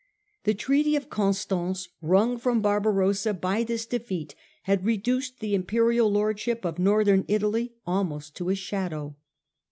The treaty of Constance wrung from Barbarossa by this defeat had reduced the Imperial lordship of Northern Italy almost to a shadow.